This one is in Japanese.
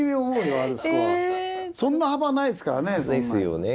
そんな幅ないですからね。ですよね。